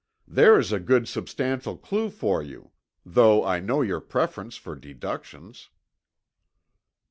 There's a good substantial clue for you, though I know your preference for deductions."